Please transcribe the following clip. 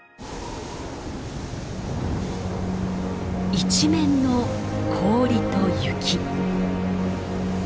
一面の氷と雪。